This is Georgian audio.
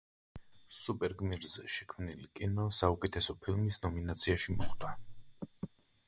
სუპერ-გმირზე შექმნილი კინო საუკეთესო ფილმის ნომინაციაში მოხვდა.